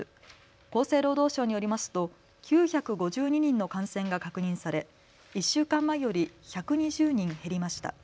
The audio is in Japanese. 厚生労働省によりますと９５２人の感染が確認され１週間前より１２０人減りました。